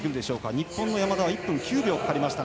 日本の山田は１分９秒かかりましたが。